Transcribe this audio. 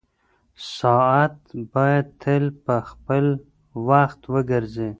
ساعت باید تل په خپل وخت وګرځي.